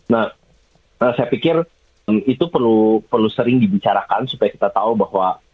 nah saya pikir itu perlu sering dibicarakan supaya kita tahu bahwa